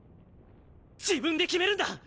自分で決めるんだ！